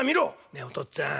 「ねえお父っつぁん。